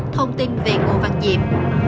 thông tin về ngô văn diệm